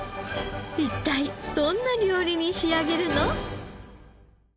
一体どんな料理に仕上げるの？